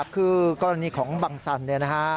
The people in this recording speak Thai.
คือกรณีของบังซันนะคะ